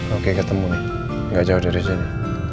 oke ketemu nih gak jauh dari sini